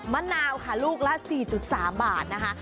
มะนาวค่ะลูกละ๔๓บาทนะคะ